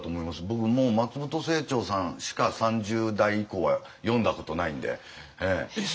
僕もう松本清張さんしか３０代以降は読んだことないんで。えっ！？